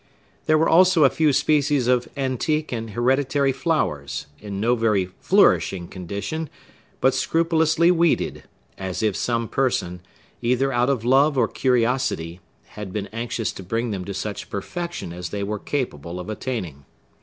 There were also a few species of antique and hereditary flowers, in no very flourishing condition, but scrupulously weeded; as if some person, either out of love or curiosity, had been anxious to bring them to such perfection as they were capable of attaining.